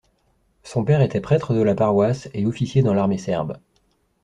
Son père était prêtre de la paroisse et officier dans l'armée serbe.